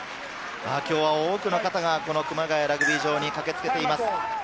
今日は多くの方が熊谷ラグビー場に駆けつけています。